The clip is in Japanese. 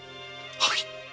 はい。